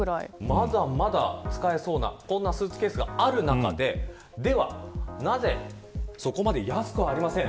まだまだ使えそうなこんなスーツケースがある中でではなぜそこまで安くありません。